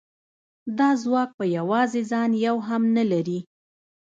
دا ځواک په یوازې ځان یو هم نه لري